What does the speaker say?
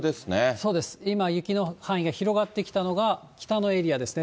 そうです、今、雪の範囲が広がってきたのが北のエリアですね。